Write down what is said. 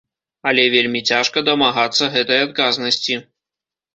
Але вельмі цяжка дамагацца гэтай адказнасці.